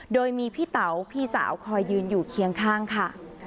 โดยมีพี่เต๋าพี่สาวคอยยืนอยู่เคียงข้างค่ะ